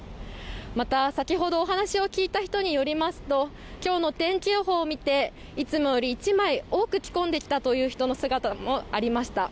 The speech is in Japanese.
また、先ほどお話を聞いた人によりますと、今日の天気予報を見ていつもより１枚多く着込んできたという人の姿もありました。